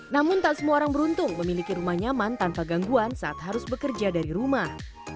namun tak semua orang beruntung memiliki rumah nyaman tanpa gangguan saat harus bekerja dari rumah